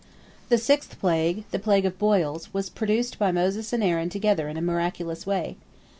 The sixth plague, the plague of boils, was produced by Moses and Aaron together in a miraculous way.